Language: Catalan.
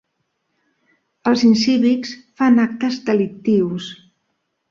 Els incívics fan actes delictius.